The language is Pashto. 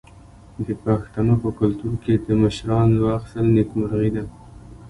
د پښتنو په کلتور کې د مشرانو دعا اخیستل نیکمرغي ده.